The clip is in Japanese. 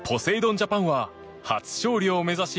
ジャパンは初勝利を目指し